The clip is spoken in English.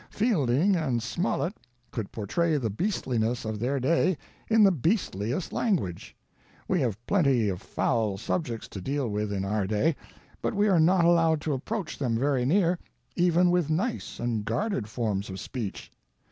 Fielding and Smollet could portray the beastliness of their day in the beastliest language; we have plenty of foul subjects to deal with in our day, but we are not allowed to approach them very near, even with nice and guarded forms of speech.